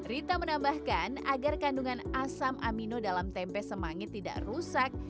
rita menambahkan agar kandungan asam amino dalam tempe semangit tidak rusak